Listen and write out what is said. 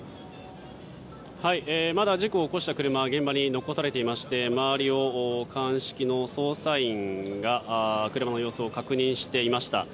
まだ事故を起こした車は現場に残されていまして鑑識の捜査員が車の様子を確認していました。